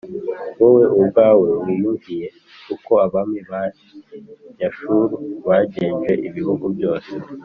Wowe ubwawe, wiyumviye uko abami b’Abanyashuru bagenjeje ibihugu byose,